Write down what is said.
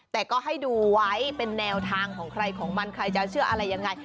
แต่ก็ให้ดูไว้เป็นแนวทางของใครของมันใครจะเชื่ออะไรยังไง